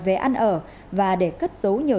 về ăn ở và để cất giấu nhiều